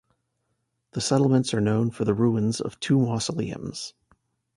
The settlements are known for the ruins of two mausoleums.